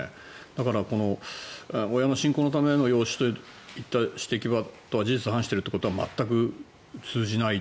だからこの、親の信仰のための養子といった指摘は事実に反しているってことは全く通じない。